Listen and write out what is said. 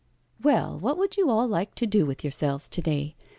"Well, what would you all like to do with yourselves to day?"